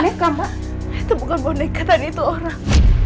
itu bukan boneka tadi itu orang